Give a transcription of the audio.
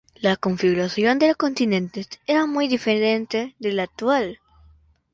La configuración de los continentes era muy diferente de la actual.